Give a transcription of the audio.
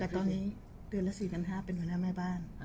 แต่ตอนนี้เดือนละ๔๕เป็นเวลาแม่บ้าน